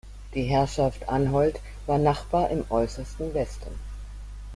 Die Herrschaft Anholt war Nachbar im äußersten Westen.